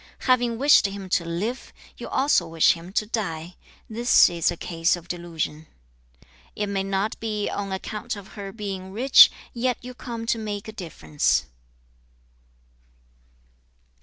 Having wished him to live, you also wish him to die. This is a case of delusion. 3. '"It may not be on account of her being rich, yet you come to make a difference."'